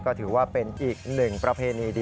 ก็ถือว่าเป็นอีกหนึ่งประเพณีดี